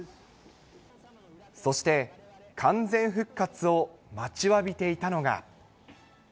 そして、完全復活を待ちわびていたのが。